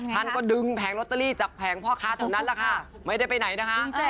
ท่านก็ดึงแผงลอตเตอรี่จากแผงพ่อค้าเท่านั้นแหละค่ะไม่ได้ไปไหนนะคะ